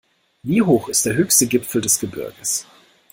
Wie hoch ist der höchste Gipfel des Gebirges?